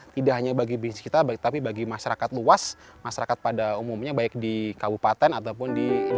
tidak hanya bagi bisnis kita tapi bagi masyarakat luas masyarakat pada umumnya baik di kabupaten ataupun di